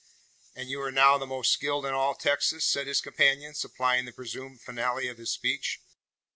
"And you are now the most skilled in all Texas?" said his companion, supplying the presumed finale of his speech.